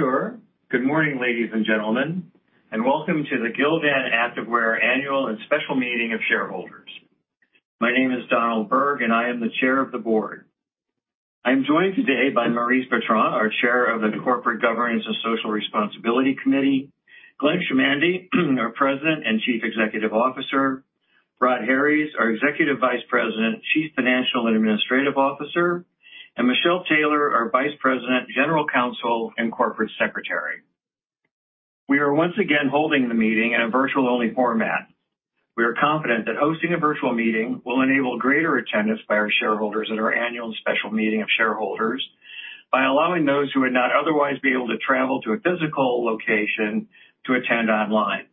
Bonjour. Good morning, ladies and gentlemen, and welcome to the Gildan Activewear Annual and Special Meeting of Shareholders. My name is Donald Berg, and I am the Chair of the Board. I'm joined today by Maryse Bertrand, our Chair of the Corporate Governance and Social Responsibility Committee, Glenn Chamandy, our President and Chief Executive Officer, Rhod Harries, our Executive Vice President, Chief Financial and Administrative Officer, and Michelle Taylor, our Vice President, General Counsel, and Corporate Secretary. We are once again holding the meeting in a virtual-only format. We are confident that hosting a virtual meeting will enable greater attendance by our shareholders at our annual and special meeting of shareholders by allowing those who would not otherwise be able to travel to a physical location to attend online.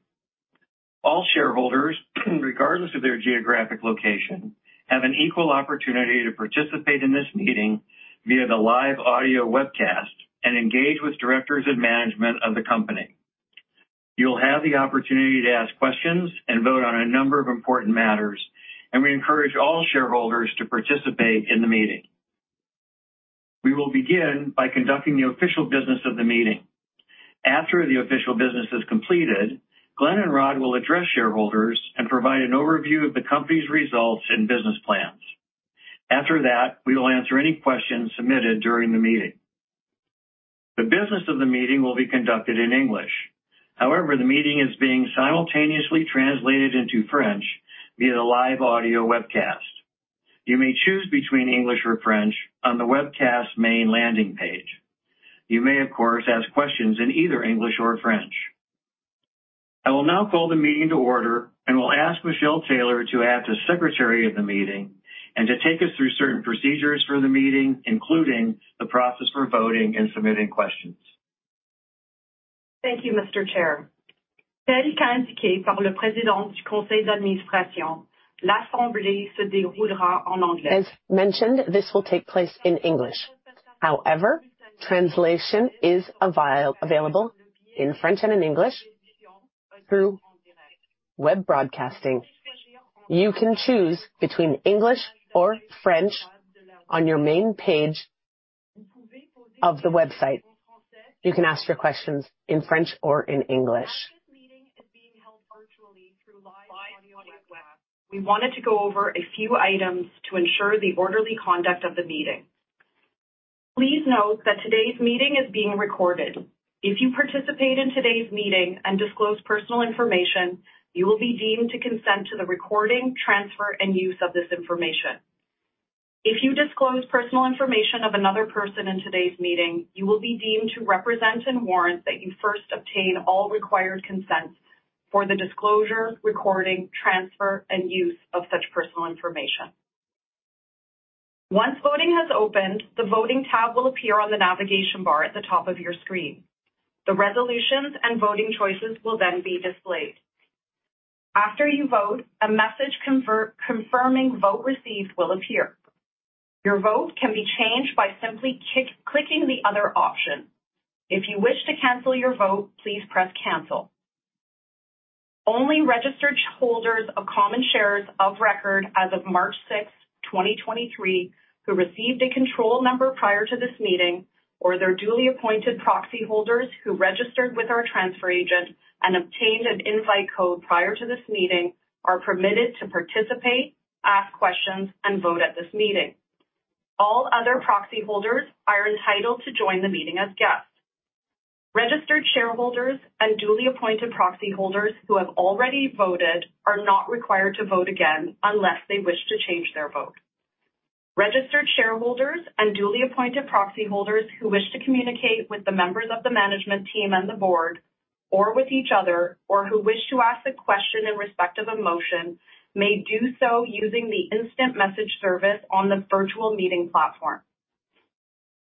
All shareholders, regardless of their geographic location, have an equal opportunity to participate in this meeting via the live audio webcast and engage with directors and management of the company. You'll have the opportunity to ask questions and vote on a number of important matters. We encourage all shareholders to participate in the meeting. We will begin by conducting the official business of the meeting. After the official business is completed, Glenn and Rhod will address shareholders and provide an overview of the company's results and business plans. After that, we will answer any questions submitted during the meeting. The business of the meeting will be conducted in English. However, the meeting is being simultaneously translated into French via the live audio webcast. You may choose between English or French on the webcast main landing page. You may, of course, ask questions in either English or French. I will now call the meeting to order and will ask Michelle Taylor to act as secretary of the meeting and to take us through certain procedures for the meeting, including the process for voting and submitting questions. Thank you, Mr. Chair. As mentioned, this will take place in English. However, translation is available in French and in English through web broadcasting. You can choose between English or French on your main page of the website. You can ask your questions in French or in English. Today's meeting is being held virtually through live audio webcast. We wanted to go over a few items to ensure the orderly conduct of the meeting. Please note that today's meeting is being recorded. If you participate in today's meeting and disclose personal information, you will be deemed to consent to the recording, transfer, and use of this information. If you disclose personal information of another person in today's meeting, you will be deemed to represent and warrant that you first obtain all required consents for the disclosure, recording, transfer, and use of such personal information. Once voting has opened, the voting tab will appear on the navigation bar at the top of your screen. The resolutions and voting choices will then be displayed. After you vote, a message confirming vote received will appear. Your vote can be changed by simply clicking the other option. If you wish to cancel your vote, please press cancel. Only registered holders of common shares of record as of March 6, 2023, who received a control number prior to this meeting, or their duly appointed proxy holders who registered with our transfer agent and obtained an invite code prior to this meeting, are permitted to participate, ask questions, and vote at this meeting. All other proxy holders are entitled to join the meeting as guests. Registered shareholders and duly appointed proxy holders who have already voted are not required to vote again unless they wish to change their vote. Registered shareholders and duly appointed proxy holders who wish to communicate with the members of the management team and the board or with each other or who wish to ask a question in respect of a motion, may do so using the instant message service on the virtual meeting platform.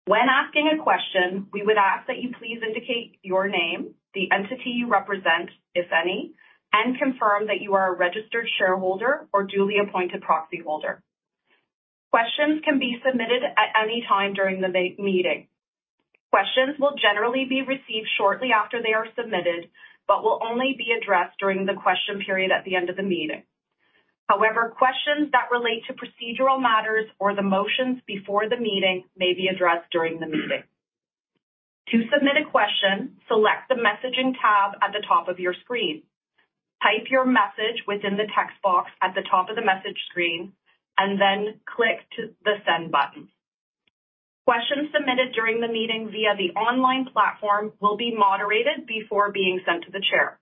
When asking a question, we would ask that you please indicate your name, the entity you represent, if any, and confirm that you are a registered shareholder or duly appointed proxy holder. Questions can be submitted at any time during the meeting. Questions will generally be received shortly after they are submitted but will only be addressed during the question period at the end of the meeting. However, questions that relate to procedural matters or the motions before the meeting may be addressed during the meeting. To submit a question, select the messaging tab at the top of your screen. Type your message within the text box at the top of the message screen, and then click to the send button. Questions submitted during the meeting via the online platform will be moderated before being sent to the chair.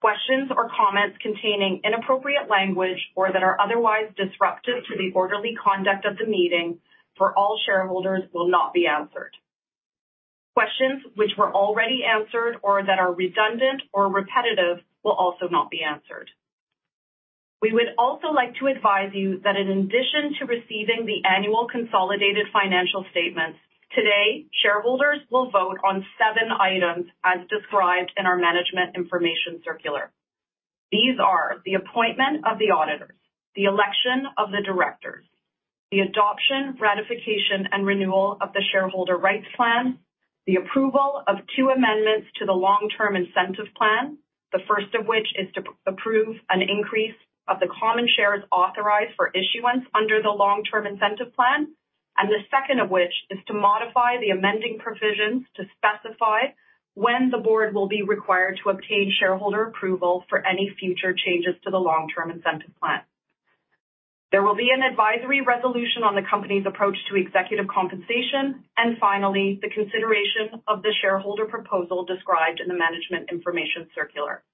Questions or comments containing inappropriate language or that are otherwise disruptive to the orderly conduct of the meeting for all shareholders will not be answered. Questions which were already answered or that are redundant or repetitive will also not be answered. We would also like to advise you that in addition to receiving the annual consolidated financial statements, today shareholders will vote on seven items as described in our Management Information Circular. These are the appointment of the auditors, the election of the directors, the adoption, ratification, and renewal of the shareholder rights plan, the approval of two amendments to the Long-Term Incentive Plan. The first of which is to approve an increase of the common shares authorized for issuance under the Long-Term Incentive Plan. The second of which is to modify the amending provisions to specify when the board will be required to obtain shareholder approval for any future changes to the Long-Term Incentive Plan. There will be an advisory resolution on the company's approach to executive compensation. Finally, the consideration of the shareholder proposal described in the Management Information Circular.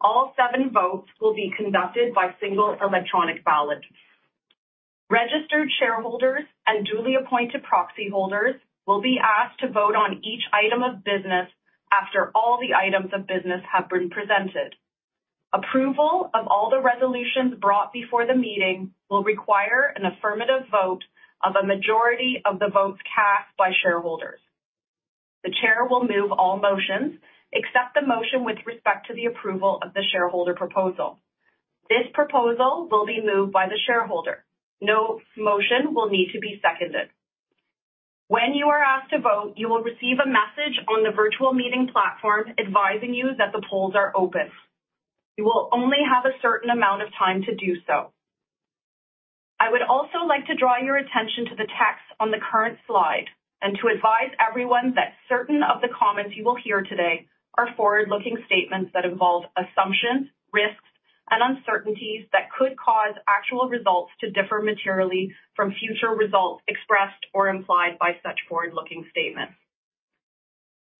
All seven votes will be conducted by single electronic ballot. Registered shareholders and duly appointed proxy holders will be asked to vote on each item of business after all the items of business have been presented. Approval of all the resolutions brought before the meeting will require an affirmative vote of a majority of the votes cast by shareholders. The chair will move all motions except the motion with respect to the approval of the shareholder proposal. This proposal will be moved by the shareholder. No motion will need to be seconded. When you are asked to vote, you will receive a message on the virtual meeting platform advising you that the polls are open. You will only have a certain amount of time to do so. I would also like to draw your attention to the text on the current slide and to advise everyone that certain of the comments you will hear today are forward-looking statements that involve assumptions, risks, and uncertainties that could cause actual results to differ materially from future results expressed or implied by such forward-looking statements.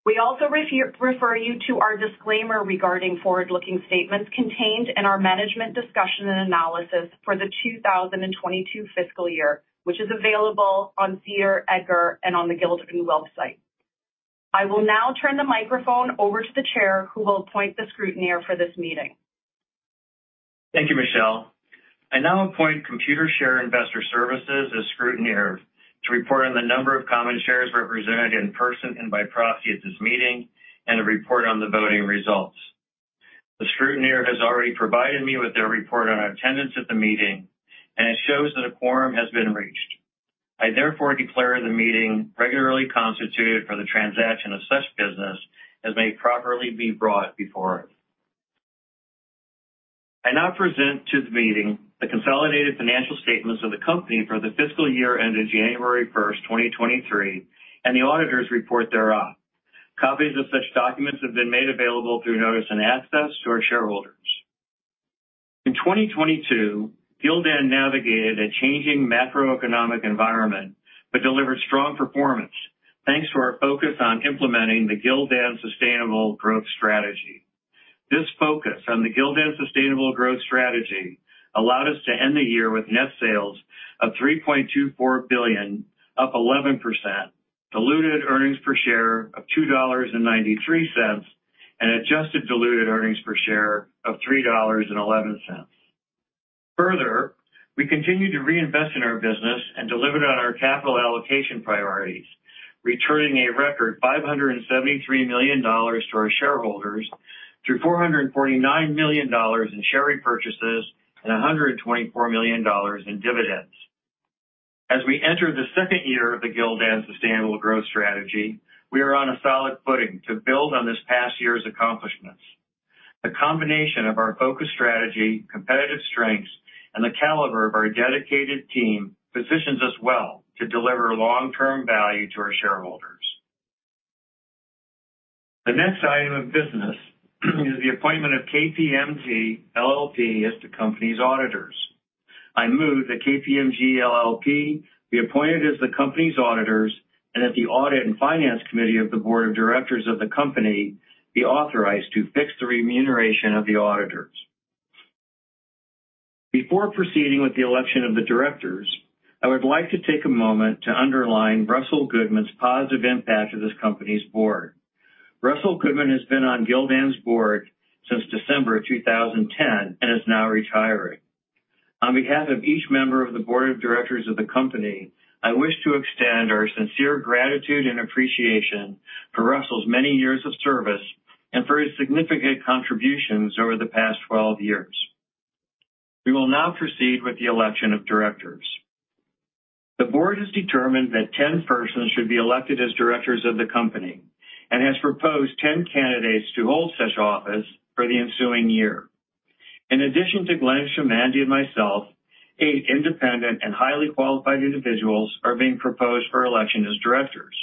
We also refer you to our disclaimer regarding forward-looking statements contained in our management discussion and analysis for the 2022 fiscal year, which is available on SEDAR, EDGAR, and on the Gildan website. I will now turn the microphone over to the chair who will appoint the scrutineer for this meeting. Thank you, Michelle. I now appoint Computershare Investor Services as scrutineer to report on the number of common shares represented in person and by proxy at this meeting, and to report on the voting results. The scrutineer has already provided me with their report on attendance at the meeting, and it shows that a quorum has been reached. I therefore declare the meeting regularly constituted for the transaction of such business as may properly be brought before it. I now present to the meeting the consolidated financial statements of the company for the fiscal year ended January 1st, 2023, and the auditors report thereof. Copies of such documents have been made available through notice and access to our shareholders. In 2022, Gildan navigated a changing macroeconomic environment, but delivered strong performance. Thanks to our focus on implementing the Gildan Sustainable Growth strategy. This focus on the Gildan Sustainable Growth strategy allowed us to end the year with net sales of $3.24 billion, up 11%, diluted earnings per share of $2.93, and adjusted diluted earnings per share of $3.11. Further, we continued to reinvest in our business and delivered on our capital allocation priorities, returning a record $573 million to our shareholders through $449 million in share repurchases and $124 million in dividends. As we enter the second year of the Gildan Sustainable Growth strategy, we are on a solid footing to build on this past year's accomplishments. The combination of our focused strategy, competitive strengths, and the caliber of our dedicated team positions us well to deliver long-term value to our shareholders. The next item of business is the appointment of KPMG LLP as the company's auditors. I move that KPMG LLP be appointed as the company's auditors and that the audit and finance committee of the board of directors of the company be authorized to fix the remuneration of the auditors. Before proceeding with the election of the directors, I would like to take a moment to underline Russell Goodman's positive impact to this company's board. Russell Goodman has been on Gildan's board since December 2010 and is now retiring. On behalf of each member of the board of directors of the company, I wish to extend our sincere gratitude and appreciation for Russell's many years of service and for his significant contributions over the past 12 years. We will now proceed with the election of directors. The board has determined that 10 persons should be elected as directors of the company and has proposed 10 candidates to hold such office for the ensuing year. In addition to Glenn Chamandy and myself, eight independent and highly qualified individuals are being proposed for election as directors.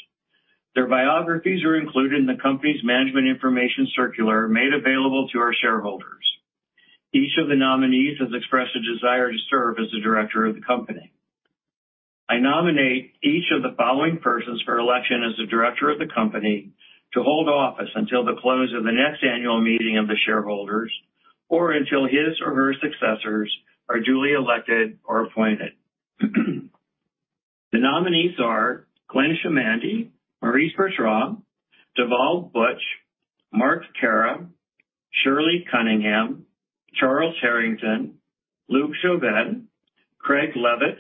Their biographies are included in the company's Management Information Circular made available to our shareholders. Each of the nominees has expressed a desire to serve as a director of the company. I nominate each of the following persons for election as a director of the company to hold office until the close of the next annual meeting of the shareholders or until his or her successors are duly elected or appointed. The nominees are Glenn Chamandy, Maryse Bertrand, Dhaval Buch, Marc Caira, Shirley Cunningham, Charles Harrington, Luc Jobin, Craig A. Leavitt,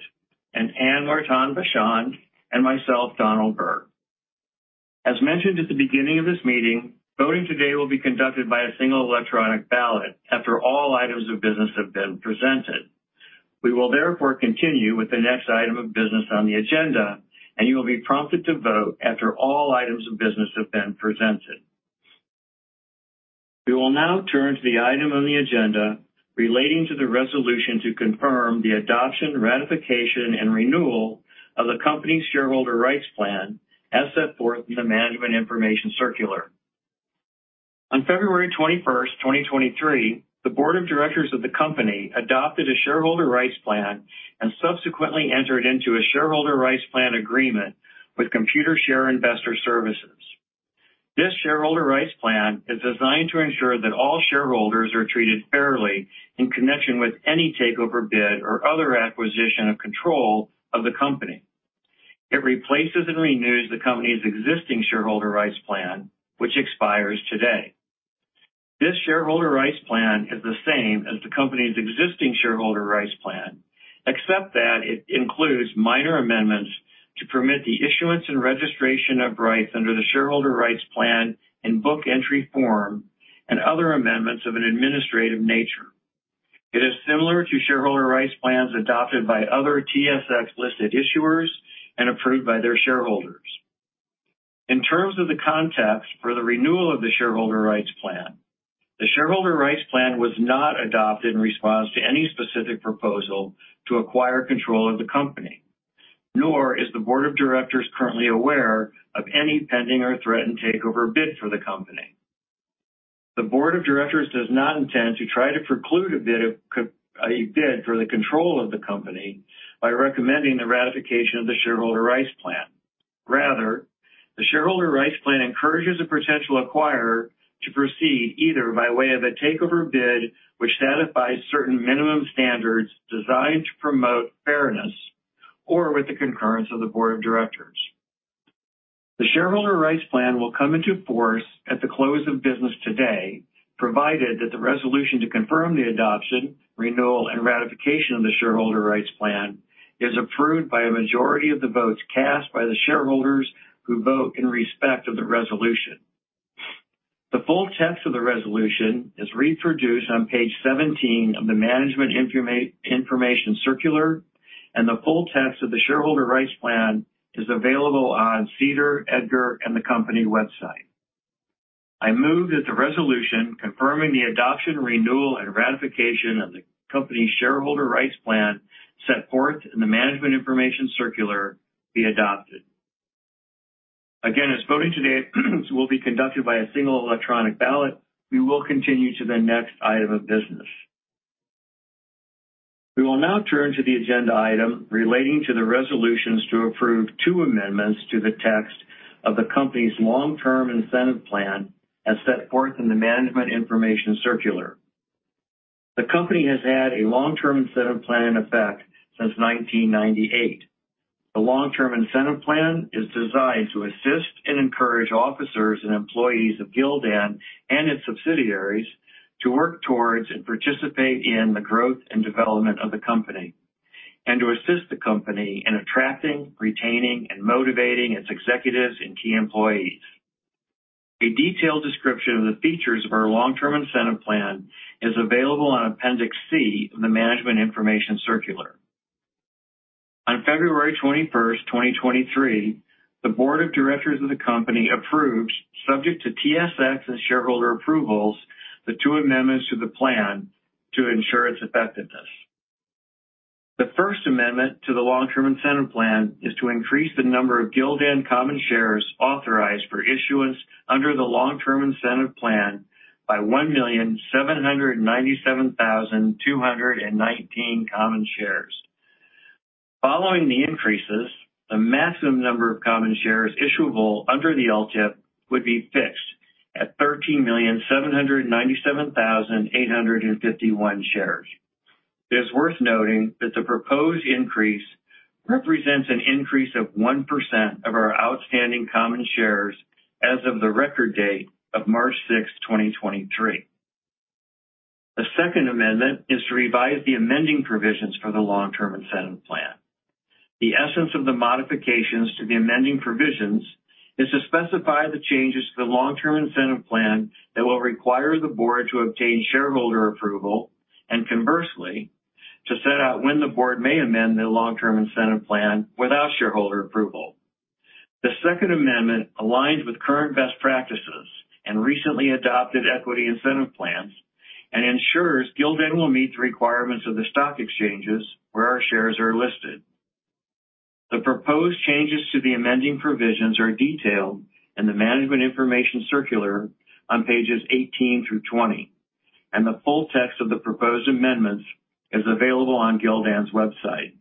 and Anne Martin-Vachon, and myself, Donald Berg. As mentioned at the beginning of this meeting, voting today will be conducted by a single electronic ballot after all items of business have been presented. We will therefore continue with the next item of business on the agenda. You will be prompted to vote after all items of business have been presented. We will now turn to the item on the agenda relating to the resolution to confirm the adoption, ratification, and renewal of the company's shareholder rights plan as set forth in the Management Information Circular. On February 21st, 2023, the board of directors of the company adopted a shareholder rights plan and subsequently entered into a shareholder rights plan agreement with Computershare Investor Services. This shareholder rights plan is designed to ensure that all shareholders are treated fairly in connection with any takeover bid or other acquisition of control of the company. It replaces and renews the company's existing shareholder rights plan, which expires today. This shareholder rights plan is the same as the company's existing shareholder rights plan, except that it includes minor amendments to permit the issuance and registration of rights under the shareholder rights plan in book entry form and other amendments of an administrative nature. It is similar to shareholder rights plans adopted by other TSX-listed issuers and approved by their shareholders. In terms of the context for the renewal of the shareholder rights plan, the shareholder rights plan was not adopted in response to any specific proposal to acquire control of the company, nor is the board of directors currently aware of any pending or threatened takeover bid for the company. The board of directors does not intend to try to preclude a bid for the control of the company by recommending the ratification of the shareholder rights plan. Rather, the shareholder rights plan encourages a potential acquirer to proceed either by way of a takeover bid which satisfies certain minimum standards designed to promote fairness or with the concurrence of the board of directors. The shareholder rights plan will come into force at the close of business today, provided that the resolution to confirm the adoption, renewal, and ratification of the shareholder rights plan is approved by a majority of the votes cast by the shareholders who vote in respect of the resolution. The full text of the resolution is reproduced on page 17 of the Management Information Circular. The full text of the shareholder rights plan is available on SEDAR, EDGAR, and the company website. I move that the resolution confirming the adoption, renewal, and ratification of the company's shareholder rights plan set forth in the Management Information Circular be adopted. Again, as voting today will be conducted by a single electronic ballot, we will continue to the next item of business. We will now turn to the agenda item relating to the resolutions to approve two amendments to the text of the company's Long-Term Incentive Plan as set forth in the Management Information Circular. The company has had a Long-Term Incentive Plan in effect since 1998. The Long-Term Incentive Plan is designed to assist and encourage officers and employees of Gildan and its subsidiaries to work towards and participate in the growth and development of the company and to assist the company in attracting, retaining, and motivating its executives and key employees. A detailed description of the features of our Long-Term Incentive Plan is available on Appendix C of the Management Information Circular. On February 21st, 2023, the board of directors of the company approved, subject to TSX and shareholder approvals, the two amendments to the plan to ensure its effectiveness. The first Amendment to the Long-Term Incentive Plan is to increase the number of Gildan common shares authorized for issuance under the Long-Term Incentive Plan by 1,797,219 common shares. Following the increases, the maximum number of common shares issuable under the LTIP would be fixed at 13,797,851 shares. It is worth noting that the proposed increase represents an increase of 1% of our outstanding common shares as of the record date of March 6, 2023. The second amendment is to revise the amending provisions for the Long-Term Incentive Plan. The essence of the modifications to the amending provisions is to specify the changes to the Long-Term Incentive Plan that will require the board to obtain shareholder approval and, conversely, to set out when the board may amend the Long-Term Incentive Plan without shareholder approval. The second amendment aligns with current best practices and recently adopted equity incentive plans and ensures Gildan will meet the requirements of the stock exchanges where our shares are listed. The proposed changes to the amending provisions are detailed in the Management Information Circular on pages 18 through 20, and the full text of the proposed amendments is available on Gildan's website.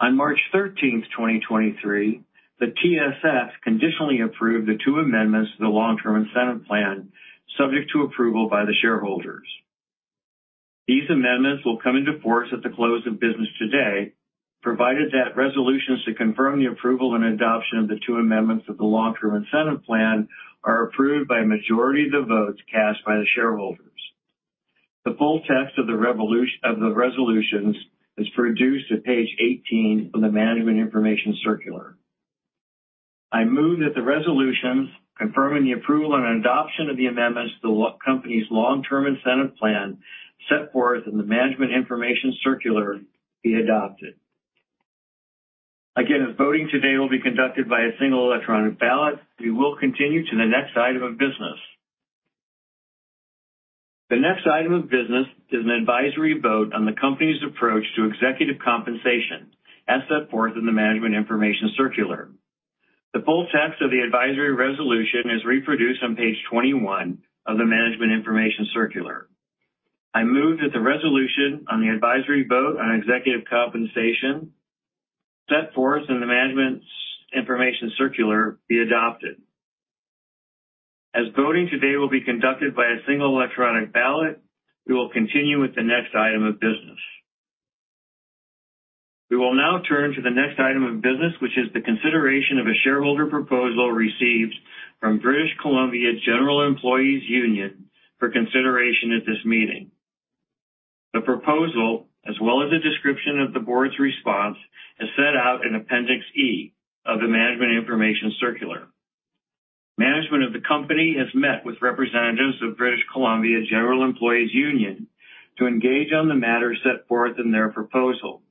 On March 13, 2023, the TSX conditionally approved the two amendments to the Long-Term Incentive Plan, subject to approval by the shareholders. These amendments will come into force at the close of business today, provided that resolutions to confirm the approval and adoption of the two amendments of the Long-Term Incentive Plan are approved by a majority of the votes cast by the shareholders. The full text of the resolutions is produced at page 18 of the Management Information Circular. I move that the resolutions confirming the approval and adoption of the amendments to the company's Long-Term Incentive Plan set forth in the Management Information Circular be adopted. Again, as voting today will be conducted by a single electronic ballot, we will continue to the next item of business. The next item of business is an advisory vote on the company's approach to executive compensation as set forth in the Management Information Circular. The full text of the advisory resolution is reproduced on page 21 of the Management Information Circular. I move that the resolution on the advisory vote on executive compensation set forth in the Management Information Circular be adopted. As voting today will be conducted by a single electronic ballot, we will continue with the next item of business. We will now turn to the next item of business, which is the consideration of a shareholder proposal received from British Columbia General Employees' Union for consideration at this meeting. The proposal, as well as a description of the board's response, is set out in Appendix E of the Management Information Circular. Management of the company has met with representatives of British Columbia General Employees' Union to engage on the matter set forth in their proposal.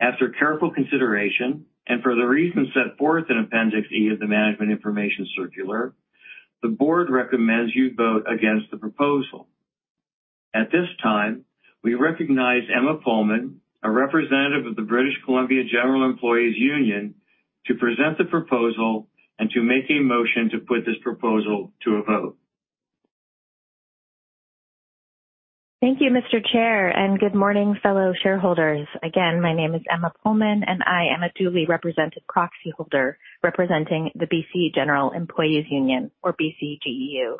After careful consideration, and for the reasons set forth in Appendix E of the Management Information Circular, the board recommends you vote against the proposal. At this time, we recognize Emma Pullman, a representative of the British Columbia General Employees' Union, to present the proposal and to make a motion to put this proposal to a vote. Thank you, Mr. Chair. Good morning, fellow shareholders. Again, my name is Emma Pullman, and I am a duly representative proxyholder representing the BC General Employees' Union or BCGEU.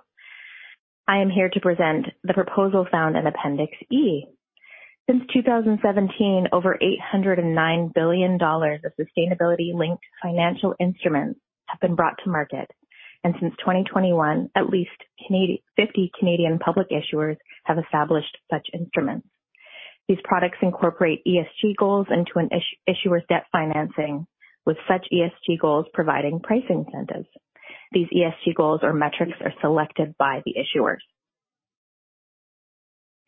I am here to present the proposal found in Appendix E. Since 2017, over $809 billion of sustainability-linked financial instruments have been brought to market. Since 2021, at least 50 Canadian public issuers have established such instruments. These products incorporate ESG goals into an issuer's debt financing, with such ESG goals providing price incentives. These ESG goals or metrics are selected by the issuers.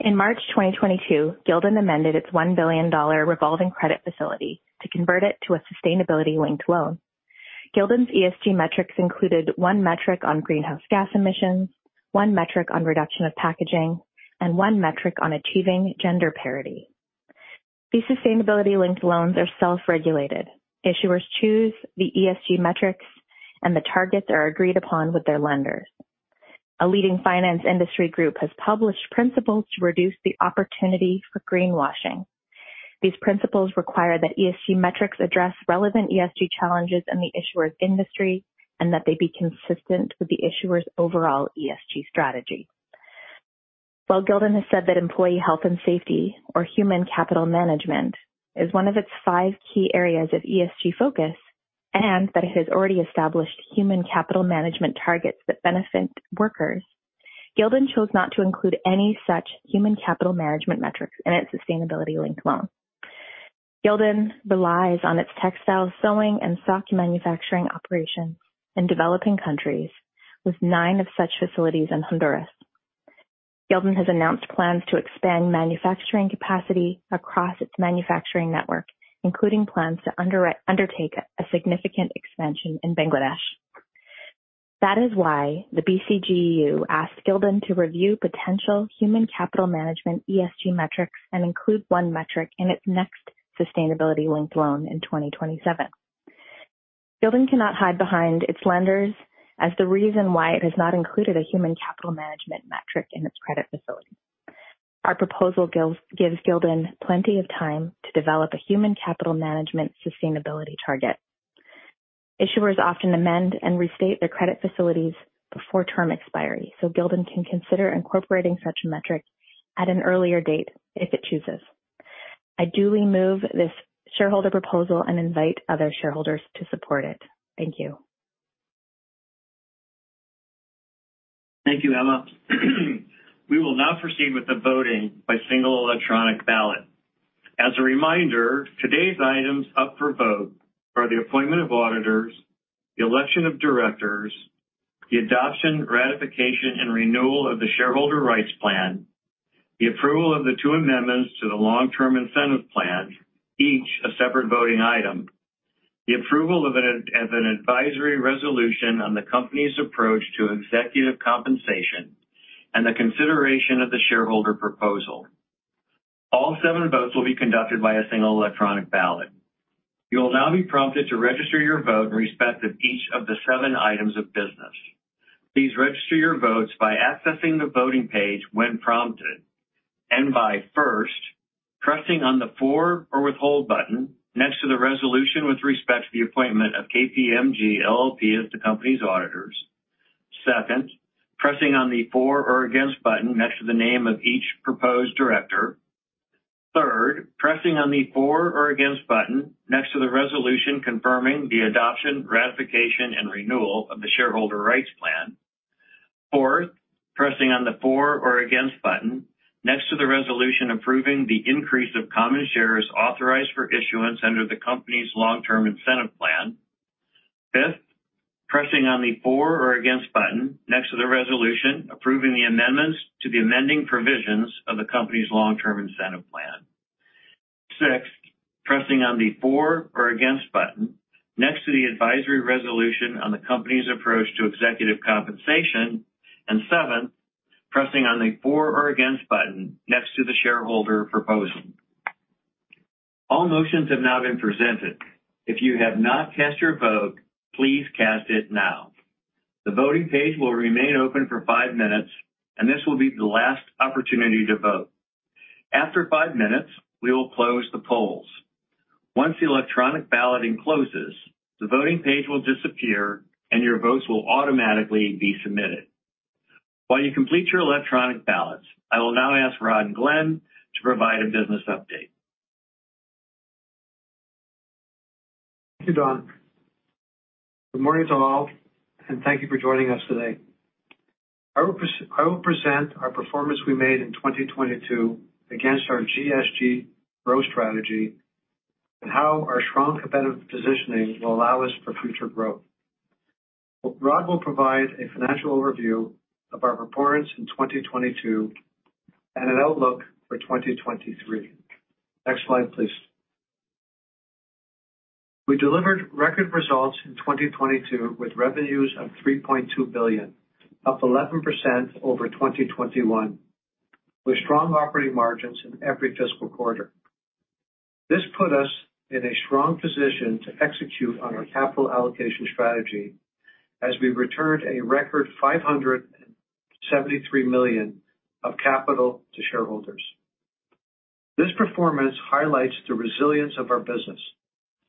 In March 2022, Gildan amended its $1 billion revolving credit facility to convert it to a sustainability-linked loan. Gildan's ESG metrics included one metric on greenhouse gas emissions, one metric on reduction of packaging, and one metric on achieving gender parity. These sustainability-linked loans are self-regulated. Issuers choose the ESG metrics, and the targets are agreed upon with their lenders. A leading finance industry group has published principles to reduce the opportunity for greenwashing. These principles require that ESG metrics address relevant ESG challenges in the issuer's industry and that they be consistent with the issuer's overall ESG strategy. While Gildan has said that employee health and safety or human capital management is one of its five key areas of ESG focus and that it has already established human capital management targets that benefit workers, Gildan chose not to include any such human capital management metrics in its sustainability-linked loan. Gildan relies on its textile sewing and sock manufacturing operations in developing countries with nine of such facilities in Honduras. Gildan has announced plans to expand manufacturing capacity across its manufacturing network, including plans to undertake a significant expansion in Bangladesh. That is why the BCGEU asked Gildan to review potential human capital management ESG metrics and include one metric in its next sustainability-linked loan in 2027. Gildan cannot hide behind its lenders as the reason why it has not included a human capital management metric in its credit facility. Our proposal gives Gildan plenty of time to develop a human capital management sustainability target. Issuers often amend and restate their credit facilities before term expiry, Gildan can consider incorporating such a metric at an earlier date if it chooses. I duly move this shareholder proposal and invite other shareholders to support it. Thank you. Thank you, Emma. We will now proceed with the voting by single electronic ballot. As a reminder, today's items up for vote are the appointment of auditors, the election of directors, the adoption, ratification, and renewal of the shareholder rights plan, the approval of the two amendments to the Long-Term Incentive Plan, each a separate voting item. The approval of an advisory resolution on the company's approach to executive compensation and the consideration of the shareholder proposal. All seven votes will be conducted by a single electronic ballot. You will now be prompted to register your vote in respect of each of the seven items of business. Please register your votes by accessing the voting page when prompted and by first pressing on the For or Withhold button next to the resolution with respect to the appointment of KPMG LLP as the company's auditors. Second, pressing on the For or Against button next to the name of each proposed director. Third, pressing on the For or Against button next to the resolution confirming the adoption, ratification, and renewal of the shareholder rights plan. Fourth, pressing on the For or Against button next to the resolution approving the increase of common shares authorized for issuance under the company's Long-Term Incentive Plan. Fifth, pressing on the For or Against button next to the resolution approving the amendments to the amending provisions of the company's Long-Term Incentive Plan. Sixth, pressing on the For or Against button next to the advisory resolution on the company's approach to executive compensation. Seventh, pressing on the For or Against button next to the shareholder proposal. All motions have now been presented. If you have not cast your vote, please cast it now. The voting page will remain open for five minutes, and this will be the last opportunity to vote. After five minutes, we will close the polls. Once the electronic balloting closes, the voting page will disappear and your votes will automatically be submitted. While you complete your electronic ballots, I will now ask Rhod and Glenn to provide a business update. Thank you, Don. Good morning to all, thank you for joining us today. I will present our performance we made in 2022 against our GSG growth strategy and how our strong competitive positioning will allow us for future growth. Rhod will provide a financial overview of our performance in 2022 and an outlook for 2023. Next slide, please. We delivered record results in 2022 with revenues of $3.2 billion, up 11% over 2021, with strong operating margins in every fiscal quarter. This put us in a strong position to execute on our capital allocation strategy as we returned a record $573 million of capital to shareholders. This performance highlights the resilience of our business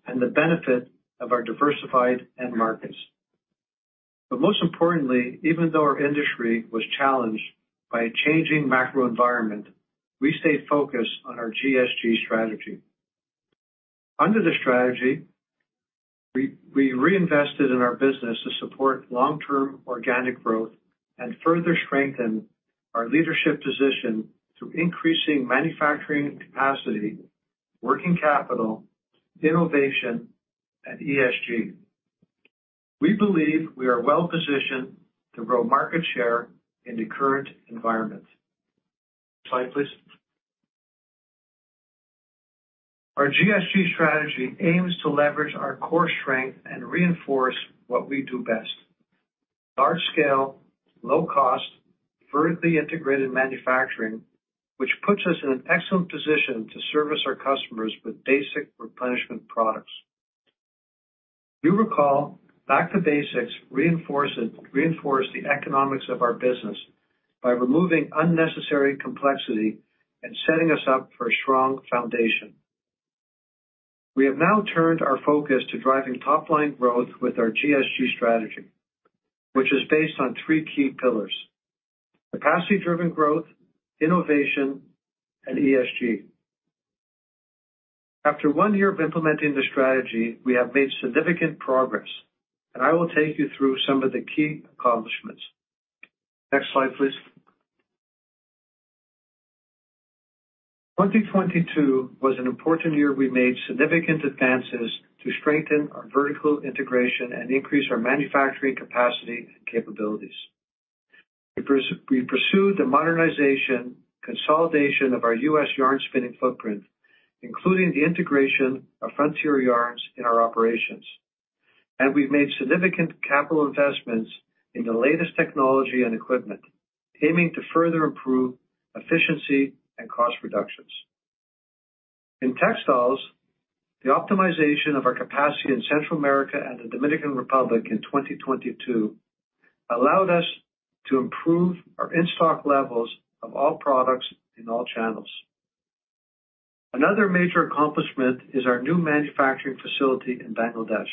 and the benefit of our diversified end markets. Most importantly, even though our industry was challenged by a changing macro environment, we stayed focused on our GSG strategy. Under the strategy, we reinvested in our business to support long-term organic growth and further strengthen our leadership position through increasing manufacturing capacity, working capital, innovation, and ESG. We believe we are well-positioned to grow market share in the current environment. Slide, please. Our GSG strategy aims to leverage our core strength and reinforce what we do best. Large scale, low cost, vertically integrated manufacturing, which puts us in an excellent position to service our customers with basic replenishment products. You recall Back to Basics reinforced the economics of our business by removing unnecessary complexity and setting us up for a strong foundation. We have now turned our focus to driving top-line growth with our GSG strategy, which is based on three key pillars: capacity driven growth, innovation, and ESG. After one year of implementing the strategy, we have made significant progress. I will take you through some of the key accomplishments. Next slide, please. 2022 was an important year. We made significant advances to strengthen our vertical integration and increase our manufacturing capacity and capabilities. We pursued the modernization consolidation of our U.S. yarn spinning footprint, including the integration of Frontier Yarns in our operations. We've made significant capital investments in the latest technology and equipment, aiming to further improve efficiency and cost reductions. In textiles, the optimization of our capacity in Central America and the Dominican Republic in 2022 allowed us to improve our in-stock levels of all products in all channels. Another major accomplishment is our new manufacturing facility in Bangladesh.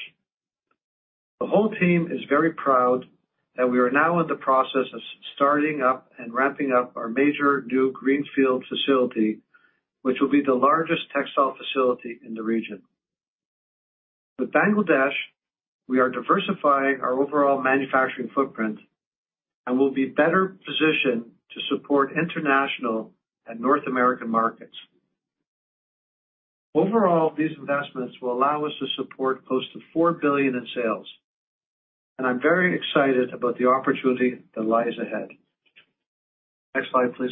The whole team is very proud. We are now in the process of starting up and ramping up our major new greenfield facility, which will be the largest textile facility in the region. With Bangladesh, we are diversifying our overall manufacturing footprint and will be better positioned to support international and North American markets. Overall, these investments will allow us to support close to $4 billion in sales, and I'm very excited about the opportunity that lies ahead. Next slide, please.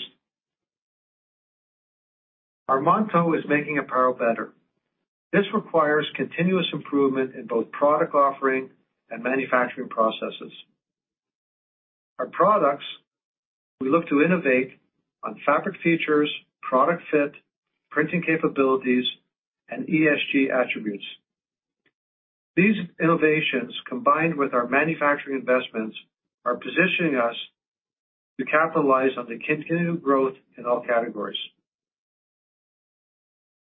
Our motto is making apparel better. This requires continuous improvement in both product offering and manufacturing processes. Our products, we look to innovate on fabric features, product fit, printing capabilities, and ESG attributes. These innovations, combined with our manufacturing investments, are positioning us to capitalize on the continued growth in all categories.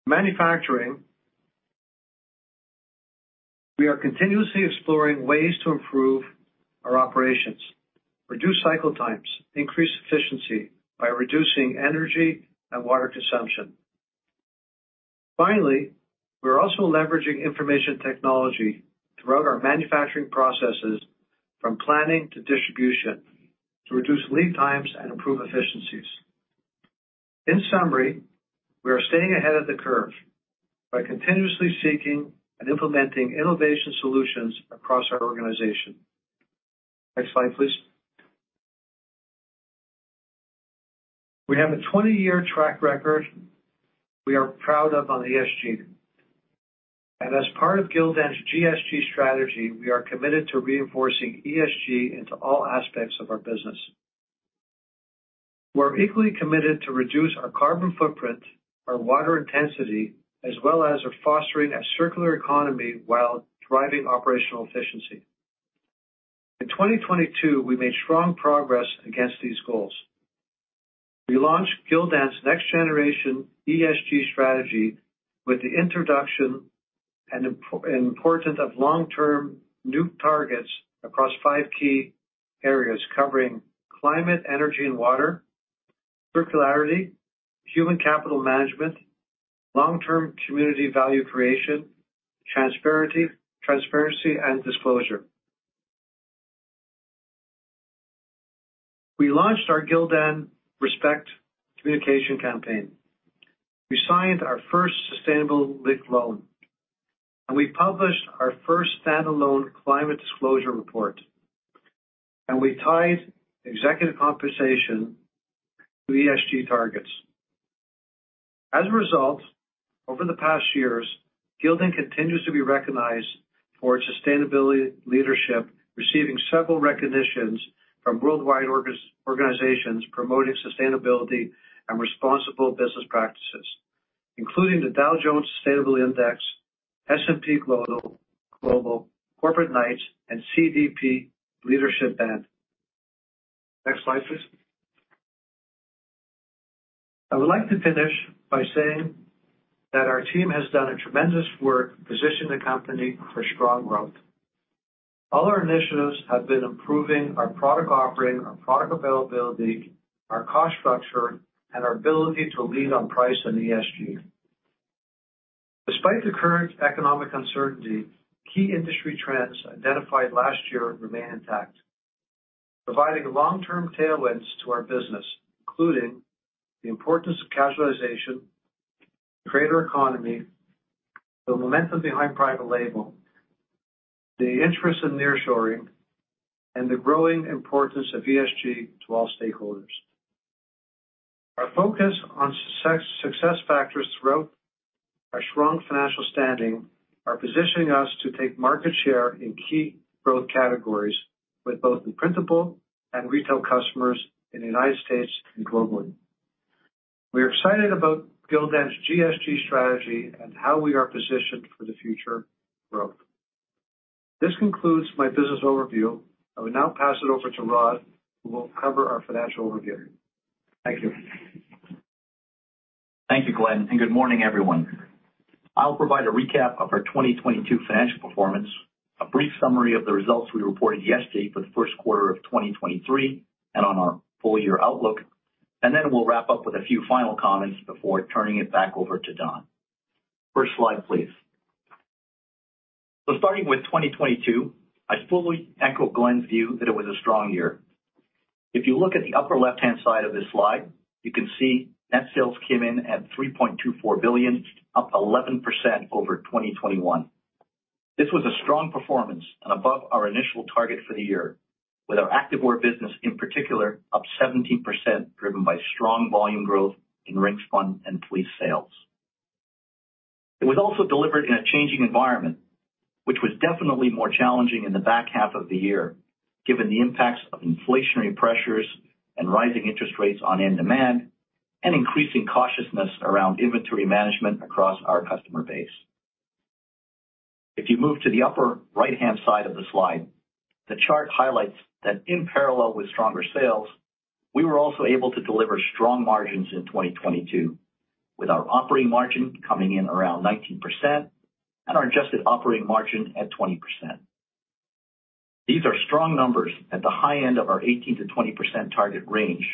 Manufacturing, we are continuously exploring ways to improve our operations, reduce cycle times, increase efficiency by reducing energy and water consumption. Finally, we're also leveraging information technology throughout our manufacturing processes, from planning to distribution, to reduce lead times and improve efficiencies. In summary, we are staying ahead of the curve by continuously seeking and implementing innovation solutions across our organization. Next slide, please. We have a 20-year track record we are proud of on ESG. As part of Gildan's GSG strategy, we are committed to reinforcing ESG into all aspects of our business. We're equally committed to reduce our carbon footprint, our water intensity, as well as fostering a circular economy while driving operational efficiency. In 2022, we made strong progress against these goals. We launched Gildan's next generation ESG strategy with the introduction and important of long-term new targets across five````` key areas covering climate, energy, and water, circularity, human capital management, long-term community value creation, transparency, and disclosure. We launched our Gildan Respect communication campaign. We signed our first sustainability-linked loan. We published our first standalone climate disclosure report. We tied executive compensation to ESG targets. As a result, over the past years, Gildan continues to be recognized for its sustainability leadership, receiving several recognitions from worldwide organizations promoting sustainability and responsible business practices, including the Dow Jones Sustainability Index, S&P Global, Corporate Knights, and CDP Leadership Band. Next slide, please. I would like to finish by saying that our team has done a tremendous work positioning the company for strong growth. All our initiatives have been improving our product offering, our product availability, our cost structure, and our ability to lead on price and ESG. Despite the current economic uncertainty, key industry trends identified last year remain intact, providing long-term tailwinds to our business, including the importance of casualization, greater economy, the momentum behind private label, the interest in nearshoring, and the growing importance of ESG to all stakeholders. Our focus on success factors throughout our strong financial standing are positioning us to take market share in key growth categories with both the principal and retail customers in the United States and globally. We are excited about Gildan's GSG strategy and how we are positioned for the future growth. This concludes my business overview. I will now pass it over to Rhod, who will cover our financial overview. Thank you. Thank you, Glenn, and good morning, everyone. I'll provide a recap of our 2022 financial performance, a brief summary of the results we reported yesterday for the first quarter of 2023, and on our full year outlook, and then we'll wrap up with a few final comments before turning it back over to Don. First slide, please. Starting with 2022, I fully echo Glenn's view that it was a strong year. If you look at the upper left-hand side of this slide, you can see net sales came in at $3.24 billion, up 11% over 2021. This was a strong performance and above our initial target for the year with our activewear business, in particular, up 17%, driven by strong volume growth in Ringspun and fleece sales. It was also delivered in a changing environment, which was definitely more challenging in the back half of the year, given the impacts of inflationary pressures and rising interest rates on in-demand and increasing cautiousness around inventory management across our customer base. If you move to the upper right-hand side of the slide, the chart highlights that in parallel with stronger sales, we were also able to deliver strong margins in 2022, with our operating margin coming in around 19% and our adjusted operating margin at 20%. These are strong numbers at the high end of our 18%-20% target range,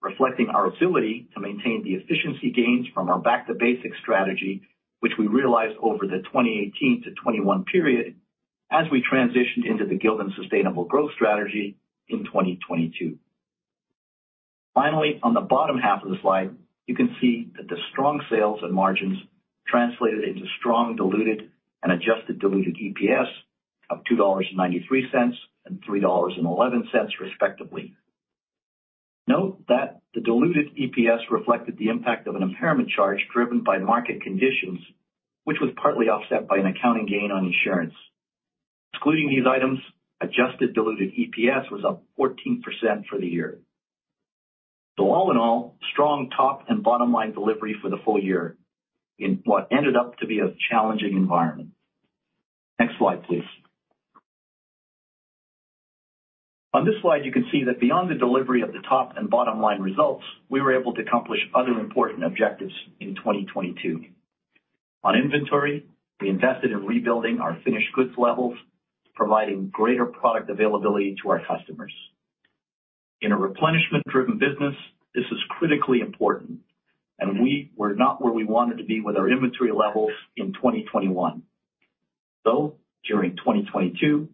reflecting our ability to maintain the efficiency gains from our Back to Basics strategy, which we realized over the 2018-2021 period as we transitioned into the Gildan Sustainable Growth strategy in 2022. Finally, on the bottom half of the slide, you can see that the strong sales and margins translated into strong diluted and adjusted diluted EPS of $2.93 and $3.11, respectively. Note that the diluted EPS reflected the impact of an impairment charge driven by market conditions, which was partly offset by an accounting gain on insurance. Excluding these items, adjusted diluted EPS was up 14% for the year. All in all, strong top and bottom line delivery for the full year in what ended up to be a challenging environment. Next slide, please. On this slide, you can see that beyond the delivery of the top and bottom line results, we were able to accomplish other important objectives in 2022. On inventory, we invested in rebuilding our finished goods levels, providing greater product availability to our customers. In a replenishment driven business, this is critically important, and we were not where we wanted to be with our inventory levels in 2021. Though, during 2022,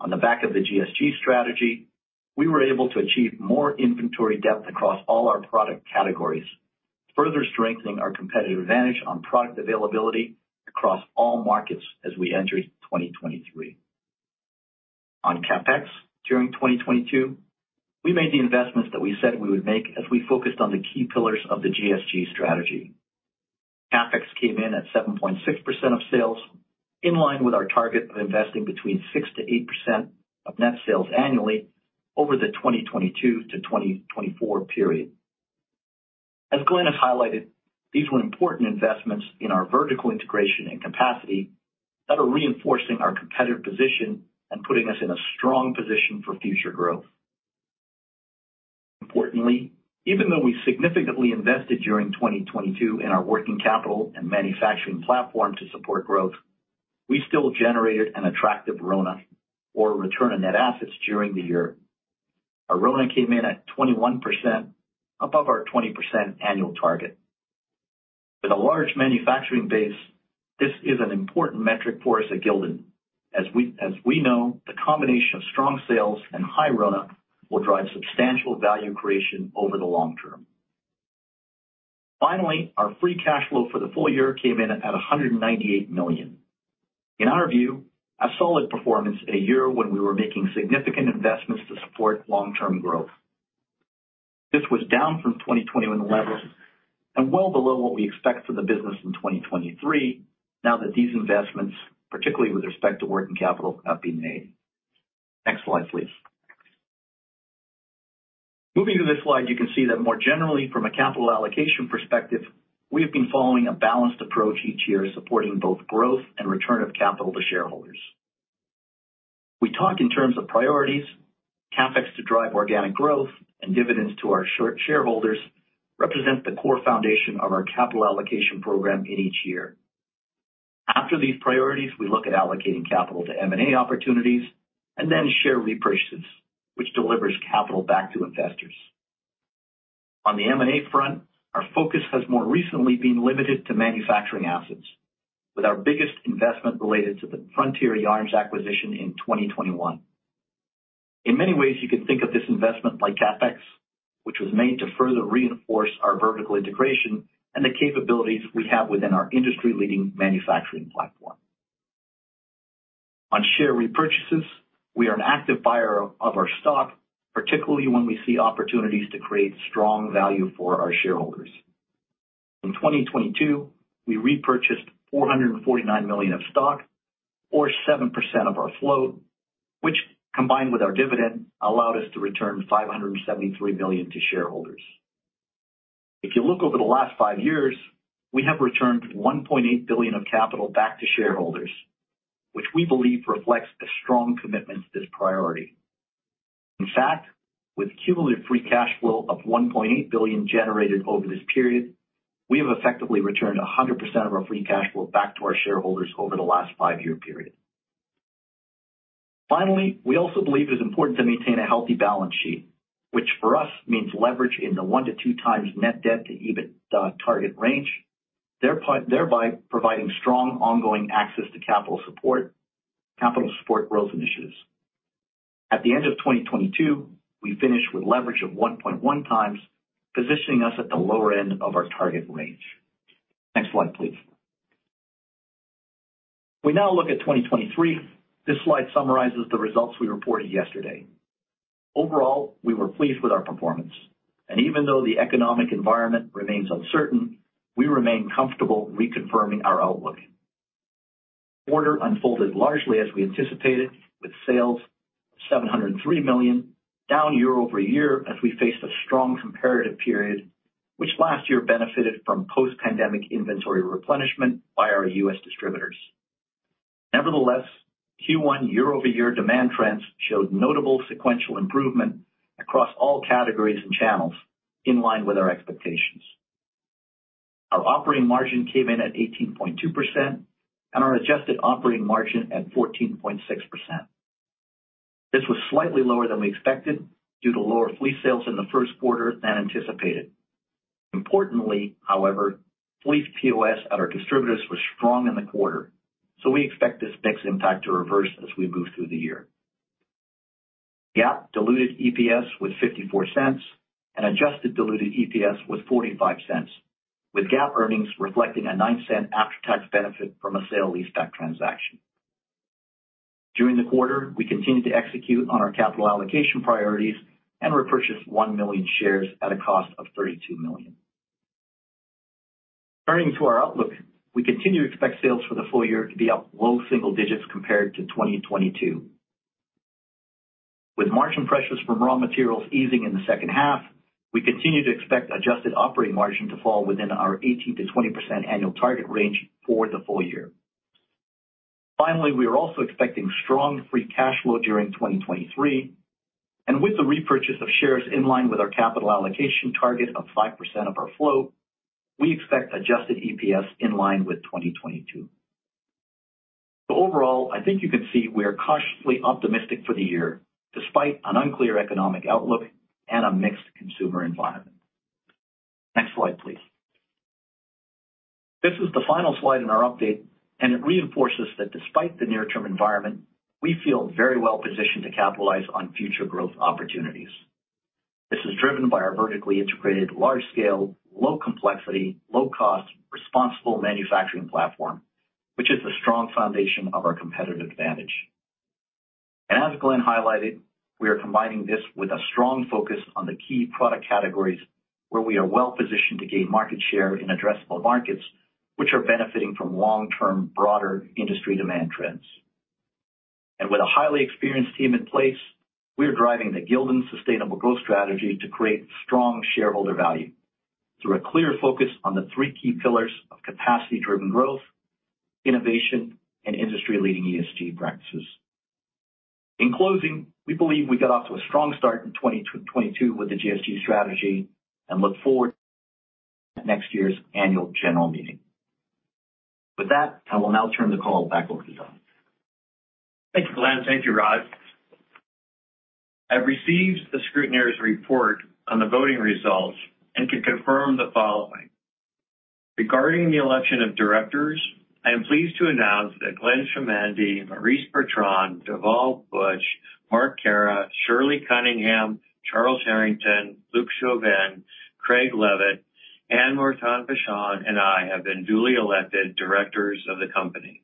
on the back of the GSG strategy, we were able to achieve more inventory depth across all our product categories, further strengthening our competitive advantage on product availability across all markets as we entered 2023. On CapEx during 2022, we made the investments that we said we would make as we focused on the key pillars of the GSG strategy. CapEx came in at 7.6% of sales, in line with our target of investing between 6%-8% of net sales annually over the 2022-2024 period. As Glenn has highlighted, these were important investments in our vertical integration and capacity that are reinforcing our competitive position and putting us in a strong position for future growth. Importantly, even though we significantly invested during 2022 in our working capital and manufacturing platform to support growth, we still generated an attractive RONA, or return on net assets, during the year. Our RONA came in at 21%, above our 20% annual target. With a large manufacturing base, this is an important metric for us at Gildan. As we know, the combination of strong sales and high RONA will drive substantial value creation over the long term. Finally, our free cash flow for the full year came in at $198 million. In our view, a solid performance in a year when we were making significant investments to support long-term growth. This was down from 2021 levels and well below what we expect for the business in 2023 now that these investments, particularly with respect to working capital, have been made. Next slide, please. Moving to this slide, you can see that more generally from a capital allocation perspective, we have been following a balanced approach each year, supporting both growth and return of capital to shareholders. We talk in terms of priorities, CapEx to drive organic growth, dividends to our short-shareholders represent the core foundation of our capital allocation program in each year. After these priorities, we look at allocating capital to M&A opportunities then share repurchases, which delivers capital back to investors. On the M&A front, our focus has more recently been limited to manufacturing assets, with our biggest investment related to the Frontier Yarns acquisition in 2021. In many ways, you could think of this investment like CapEx, which was made to further reinforce our vertical integration and the capabilities we have within our industry-leading manufacturing platform. On share repurchases, we are an active buyer of our stock, particularly when we see opportunities to create strong value for our shareholders. In 2022, we repurchased $449 million of stock or 7% of our float, which combined with our dividend allowed us to return $573 million to shareholders. If you look over the last five years, we have returned $1.8 billion of capital back to shareholders, which we believe reflects a strong commitment to this priority. In fact, with cumulative free cash flow of $1.8 billion generated over this period, we have effectively returned 100% of our free cash flow back to our shareholders over the last five-year period. Finally, we also believe it's important to maintain a healthy balance sheet, which for us means leverage in the 1-2x net debt to EBITDA target range, thereby providing strong ongoing access to capital support growth initiatives. At the end of 2022, we finished with leverage of 1.1x, positioning us at the lower end of our target range. Next slide, please. We now look at 2023. This slide summarizes the results we reported yesterday. Overall, we were pleased with our performance. Even though the economic environment remains uncertain, we remain comfortable reconfirming our outlook. Quarter unfolded largely as we anticipated, with sales of $703 million down year-over-year as we faced a strong comparative period, which last year benefited from post pandemic inventory replenishment by our U.S. distributors. Nevertheless, Q1 year-over-year demand trends showed notable sequential improvement across all categories and channels in line with our expectations. Our operating margin came in at 18.2% and our adjusted operating margin at 14.6%. This was slightly lower than we expected due to lower fleece sales in the first quarter than anticipated. Importantly, however, fleece POS at our distributors was strong in the quarter, so we expect this mix impact to reverse as we move through the year. GAAP diluted EPS was $0.54 and adjusted diluted EPS was $0.45, with GAAP earnings reflecting a $0.09 after-tax benefit from a sale leaseback transaction. During the quarter, we continued to execute on our capital allocation priorities and repurchased 1 million shares at a cost of $32 million. Turning to our outlook, we continue to expect sales for the full year to be up low single digits compared to 2022. With margin pressures from raw materials easing in the second half, we continue to expect adjusted operating margin to fall within our 18%-20% annual target range for the full year. Currently, we are also expecting strong free cash flow during 2023, and with the repurchase of shares in line with our capital allocation target of 5% of our float, we expect adjusted EPS in line with 2022. Overall, I think you can see we are cautiously optimistic for the year despite an unclear economic outlook and a mixed consumer environment. Next slide, please. This is the final slide in our update, and it reinforces that despite the near-term environment, we feel very well positioned to capitalize on future growth opportunities. This is driven by our vertically integrated, large scale, low complexity, low cost, responsible manufacturing platform, which is the strong foundation of our competitive advantage. As Glenn highlighted, we are combining this with a strong focus on the key product categories where we are well-positioned to gain market share in addressable markets, which are benefiting from long-term broader industry demand trends. With a highly experienced team in place, we are driving the Gildan Sustainable Growth strategy to create strong shareholder value through a clear focus on the three key pillars of capacity-driven growth, innovation, and industry-leading ESG practices. In closing, we believe we got off to a strong start in 2022 with the GSG strategy and look forward at next year's annual general meeting. With that, I will now turn the call back over to Don. Thank you, Glenn. Thank you, Rhod. I've received the scrutineer's report on the voting results and can confirm the following. Regarding the election of directors, I am pleased to announce that Glenn Chamandy, Maryse Bertrand, Dhaval Buch, Marc Caira, Shirley Cunningham, Charles Harrington, Luc Jobin, Craig A. Leavitt, Anne Martin-Vachon, and I have been duly elected directors of the company.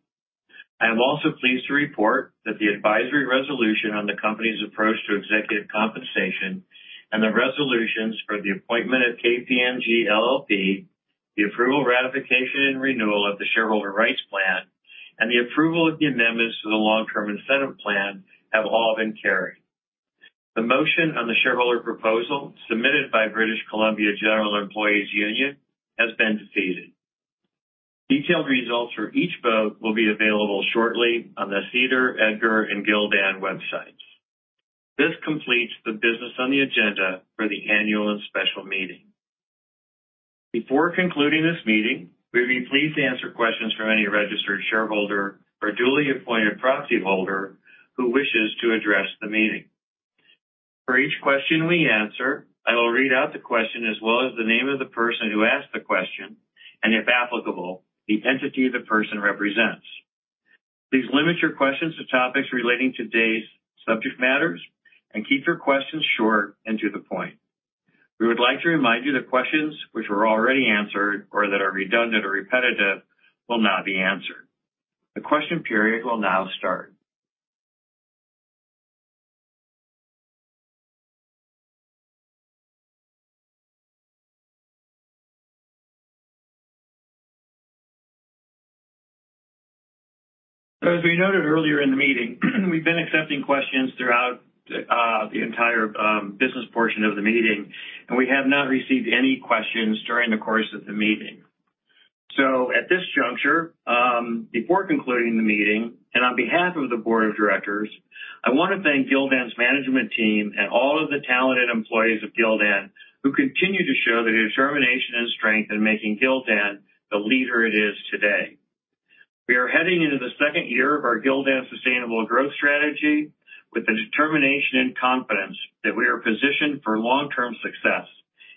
I am also pleased to report that the advisory resolution on the company's approach to executive compensation and the resolutions for the appointment of KPMG LLP, the approval, ratification, and renewal of the shareholder rights plan, and the approval of the amendments to the Long-Term Incentive Plan have all been carried. The motion on the shareholder proposal submitted by British Columbia General Employees' Union has been defeated. Detailed results for each vote will be available shortly on the SEDAR, EDGAR, and Gildan websites. This completes the business on the agenda for the annual and special meeting. Before concluding this meeting, we'd be pleased to answer questions from any registered shareholder or duly appointed proxyholder who wishes to address the meeting. For each question we answer, I will read out the question as well as the name of the person who asked the question and, if applicable, the entity the person represents. Please limit your questions to topics relating today's subject matters and keep your questions short and to the point. We would like to remind you that questions which were already answered or that are redundant or repetitive will not be answered. The question period will now start. As we noted earlier in the meeting, we've been accepting questions throughout the entire business portion of the meeting, and we have not received any questions during the course of the meeting. At this juncture, before concluding the meeting, and on behalf of the board of directors, I wanna thank Gildan's management team and all of the talented employees of Gildan who continue to show their determination and strength in making Gildan the leader it is today. We are heading into the second year of our Gildan Sustainable Growth strategy with the determination and confidence that we are positioned for long-term success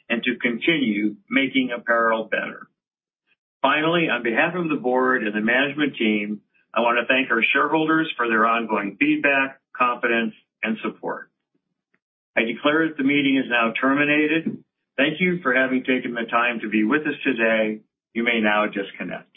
and to continue making apparel better. Finally, on behalf of the board and the management team, I wanna thank our shareholders for their ongoing feedback, confidence, and support. I declare that the meeting is now terminated. Thank you for having taken the time to be with us today. You may now disconnect.